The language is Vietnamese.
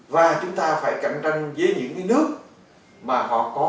và chúng ta phải cạnh tranh với những nước mà họ có